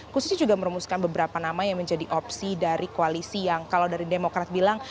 khususnya juga merumuskan beberapa nama yang menjadi opsi dari koalisi yang kalau dari demokrat bilang